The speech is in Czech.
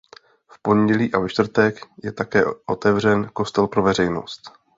V pondělí a ve čtvrtek je také otevřen kostel pro veřejnost.